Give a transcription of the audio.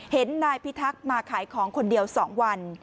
เห็นนายพิทักษ์มาขายของคนเดียว๒วัน